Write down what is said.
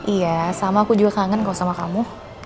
iya sama aku juga kangen kok sama kamu